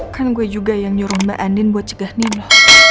kan gue juga yang nyuruh mbak andin buat cegah ninuh